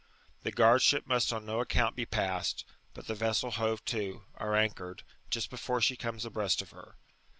The goRrd ship must on no account be* passed, but the ressel hoYe*to» or anchored, just neibre she comes abreast of her.